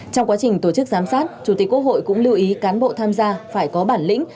trong quá trình tổ chức giám sát chủ tịch quốc hội cũng lưu ý cán bộ tham gia phải có bản lĩnh